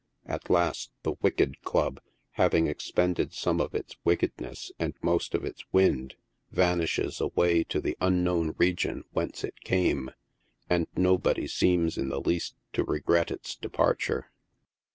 At last the Wicked Club, having expended some of its wick edness and most of its wind, vanishes away to the unknown region whence it came, and nobody seems in the least to regret its depar ture.